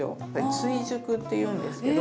「追熟」っていうんですけど。